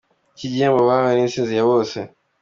Iki gihembo bahawe ni intsinzi ya bose.